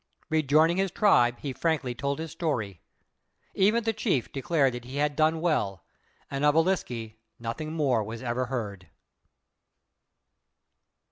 Rejoining his tribe, he frankly told his story. Even the chief declared that he had done well, and of Ūliske nothing more was ever heard.